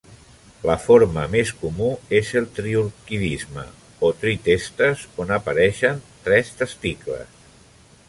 La forma més comú és el triorquidisme, o tritestes, on apareixen tres testicles.